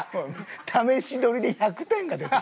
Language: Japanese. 試し撮りで１００点が出てる。